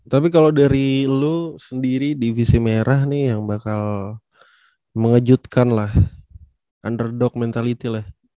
tapi kalau dari lo sendiri divisi merah nih yang bakal mengejutkan lah underdog mentality lah